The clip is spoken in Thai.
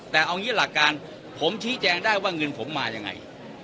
แต่เอางี้หลักการผมชี้แจงได้ว่าเงินผมมายังไง